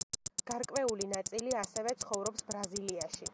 გარკვეული ნაწილი ასევე ცხოვრობს ბრაზილიაში.